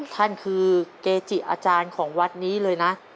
ท่านคือเกจิอาจารย์ของวัดนี้เลยนะ